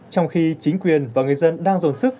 trong khi chính quyền và người dân đang dồn sức